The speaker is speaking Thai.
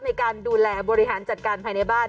ในการดูแลบริหารจัดการภายในบ้าน